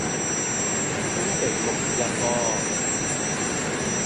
星期六日啊